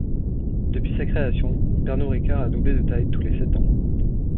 Depuis sa création, Pernod Ricard a doublé de taille tous les sept ans.